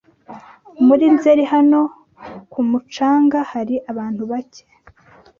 Muri Nzeri, hano ku mucanga hari abantu bake.